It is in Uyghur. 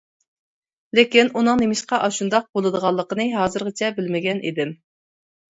لېكىن، ئۇنىڭ نېمىشقا ئاشۇنداق بولىدىغانلىقىنى ھازىرغىچە بىلمىگەن ئىدىم.